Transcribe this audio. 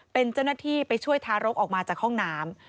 เป็นเจ้าหน้าที่ไปช่วยทารกออกมาจากห้องน้ำ